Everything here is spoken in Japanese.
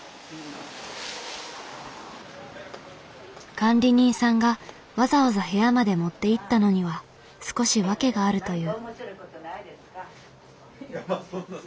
管理人さんがわざわざ部屋まで持っていったのには少し訳があるという。